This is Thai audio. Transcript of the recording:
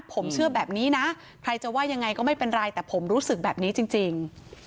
ผมเชื่อแบบนี้นะใครจะว่ายังไงก็ไม่เป็นไรแต่ผมรู้สึกแบบนี้จริง